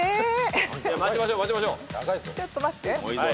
ちょっと待って。